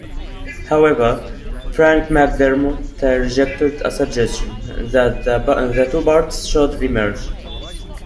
However, Frank MacDermot rejected a suggestion that the two parties should merge.